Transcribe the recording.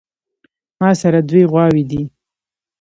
ماسره دوې غواوې دي